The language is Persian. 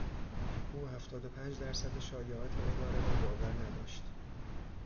او هفتاد و پنج درصد شایعات اداره را باور نداشت.